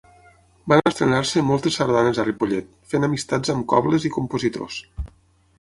Van estrenar-se moltes sardanes a Ripollet, fent amistats amb cobles i compositors.